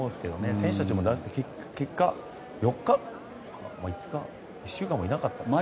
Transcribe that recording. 選手たちも４日５日１週間もいなかったですよね。